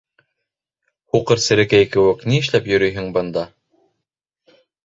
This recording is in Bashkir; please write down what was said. Һуҡыр серәкәй кеүек ни эшләп йөрөйһөң бында?